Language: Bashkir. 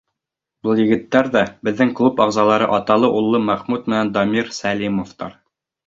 Был егеттәр ҙә — беҙҙең клуб ағзалары, аталы-уллы Мәхмүт менән Дамир Сәлимовтар.